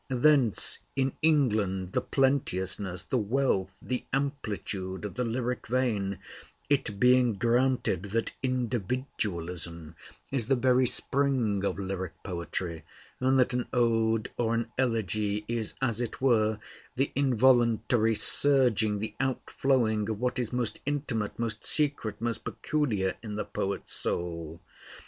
Thence, in England, the plenteousness, the wealth, the amplitude of the lyric vein; it being granted that individualism is the very spring of lyric poetry, and that an ode or an elegy is, as it were, the involuntary surging, the outflowing of what is most intimate, most secret, most peculiar in the poet's soul.